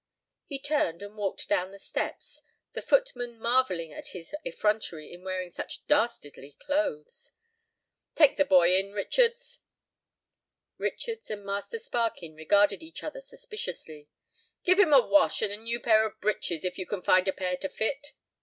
He turned and walked down the steps, the footman marvelling at his effrontery in wearing such dastardly clothes. "Take the boy in, Richards." Richards and Master Sparkin regarded each other suspiciously. "Give him a wash, and a new pair of breeches, if you can find a pair to fit."